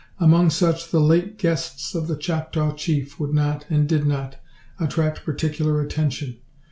Among such the late guests of the Choctaw Chief would not, and did not, attract particular attention.